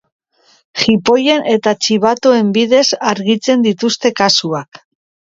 Jipoien eta txibatoen bidez argitzen dituzte kasuak.